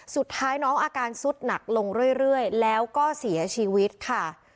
สุดท้ายน้องอาการสุดหนักลงเรื่อยแล้วก็เสียชีวิตค่ะ